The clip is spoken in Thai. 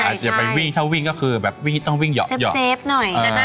ใช่อาจจะไปวิ่งถ้าวิ่งก็คือแบบวิ่งต้องวิ่งหยอดหยอดเซฟเซฟหน่อยเออ